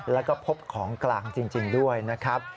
แล้วก็พบของกลางจริงด้วยนะครับ